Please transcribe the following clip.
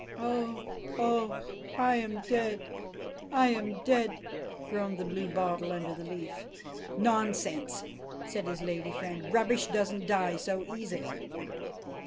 "Oh! Oh! I'm dead! I'm dead!" groaned the Bluebottle under the leaf. "Nonsense!" said his lady friend. "Rubbish doesn't die so easily!"